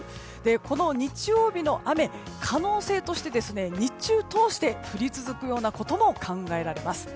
この日曜日の雨、可能性として日中通して降り続くようなことも考えられます。